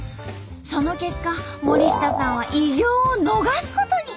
その結果森下さんは偉業を逃すことに。